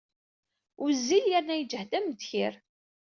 Wezzil yerna yeǧhed am ddkir.